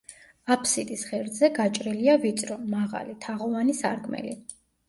აფსიდის ღერძზე გაჭრილია ვიწრო, მაღალი, თაღოვანი სარკმელი.